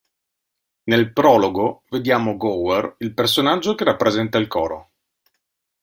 Nel prologo vediamo Gower, il personaggio che rappresenta il coro.